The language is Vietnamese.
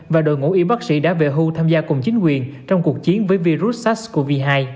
và đội ngũ y bác sĩ đã về hưu tham gia cùng chính quyền trong cuộc chiến với virus sars cov hai